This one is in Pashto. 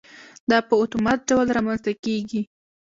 دا په اتومات ډول رامنځته کېږي.